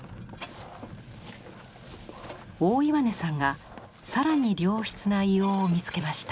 大岩根さんが更に良質な硫黄を見つけました。